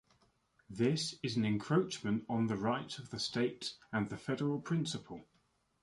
This is an encroachment on the rights of the states and the federal principle.